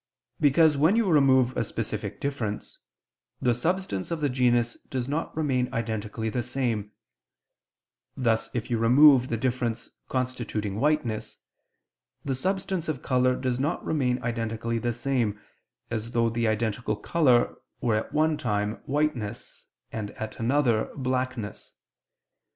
Because when you remove a specific difference, the substance of the genus does not remain identically the same: thus if you remove the difference constituting whiteness, the substance of color does not remain identically the same, as though the identical color were at one time whiteness, and, at another, blackness.